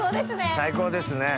最高ですね。